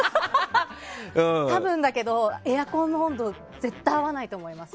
多分だけど、エアコンの温度絶対合わないと思います。